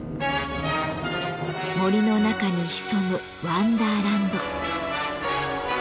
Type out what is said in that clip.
森の中に潜むワンダーランド。